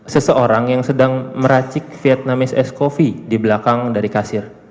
seseorang yang sedang meracik vietnamese ice coffee di belakang dari kasir